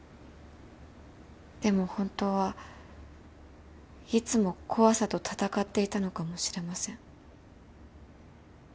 でも本当はいつも怖さと闘っていたのかもしれません。